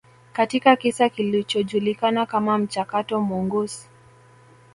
katika kisa kilichojulikana kama mchakato Mongoose